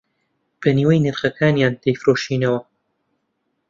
بە نیوەی نرخەکانیان دەفرۆشینەوە